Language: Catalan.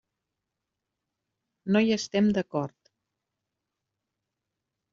No hi estem d'acord.